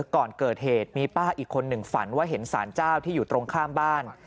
ก่อนเกิดเหตุมีป้าอีกคนหนึ่งฝันว่าเห็นสารเจ้าที่อยู่ตรงข้ามบ้าน